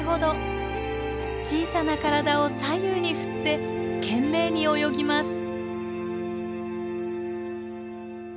小さな体を左右に振って懸命に泳ぎます。